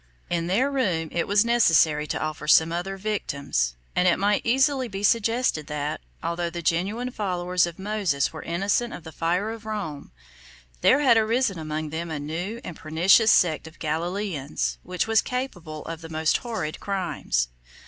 40 In their room it was necessary to offer some other victims, and it might easily be suggested that, although the genuine followers of Moses were innocent of the fire of Rome, there had arisen among them a new and pernicious sect of Galilæans, which was capable of the most horrid crimes.